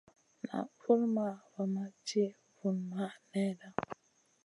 Naʼ vulmaʼ va ma ti vunmaʼ nèhda.